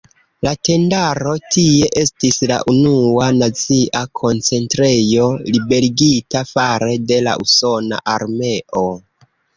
La tendaro tie estis la unua nazia koncentrejo liberigita fare de la usona armeo.